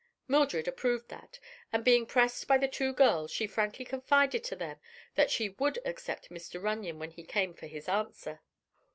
Mildred approved that, and being pressed by the two girls she frankly confided to them that she would accept Mr. Runyon when he came for his answer.